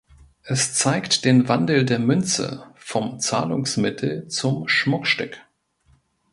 Es zeigt den Wandel der Münze vom Zahlungsmittel zum Schmuckstück.